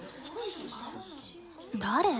誰？